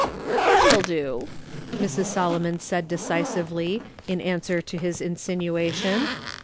" It will do," Mrs. Solomon said decisively, in answer to his insinuation.